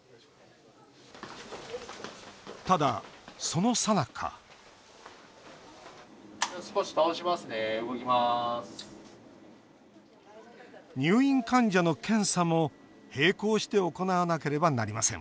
ただ、そのさなか入院患者の検査も、並行して行わなければなりません